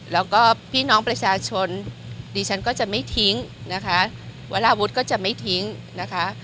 แล้วก็พี่น้องประชาชนดิฉันก็จะไม่ทิ้งนะคะวราวุฒิก็จะไม่ทิ้งนะคะ